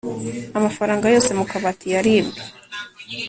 amafaranga yose mu kabati yaribwe